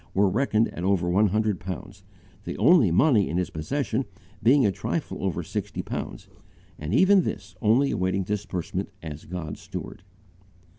were reckoned at over one hundred pounds, the only money in his possession being a trifle over sixty pounds, and even this only awaiting disbursement as God's steward.